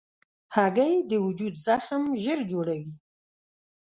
هګۍ د وجود زخم ژر جوړوي.